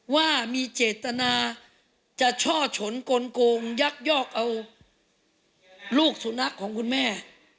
ว่ามีเจตนาจะช่อฉนกลงยักยอกเอาลูกสุนัขของคุณแม่